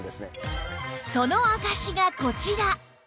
その証しがこちら